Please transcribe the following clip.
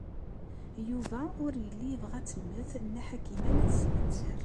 Yuba ur yelli yebɣa ad temmet Nna Ḥakima n At Zmenzer.